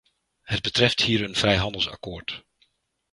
Het betreft hier een vrijhandelsakkoord.